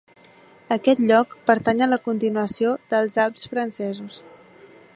Aquest lloc pertanya a la continuació dels Alps francesos.